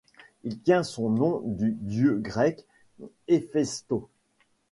Il tient son nom du dieu grec Héphaïstos.